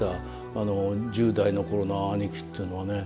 あの１０代のころの兄貴っていうのはね。